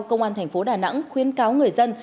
công an thành phố đà nẵng khuyến cáo người dân